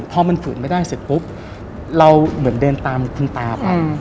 พอมันฝืนไม่ได้เสร็จปุ๊บเราเหมือนเดินตามคุณตาไป